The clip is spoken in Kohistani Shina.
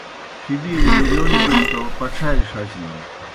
پِھبِیلیْ مِرِیون بِلیْ تو پڇھالیْ ݜچنَن